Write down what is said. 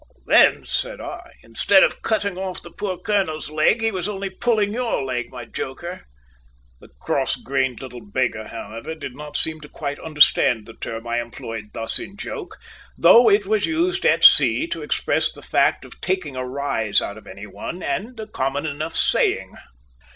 "Then," said I, "instead of cutting off the poor colonel's leg, he was only `pulling your leg,' my joker!" The cross grained little beggar, however, did not seem to quite understand the term I employed thus in joke, though it was used at sea to express the fact of "taking a rise" out of any one, and a common enough saying.